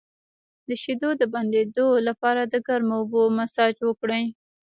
د شیدو د بندیدو لپاره د ګرمو اوبو مساج وکړئ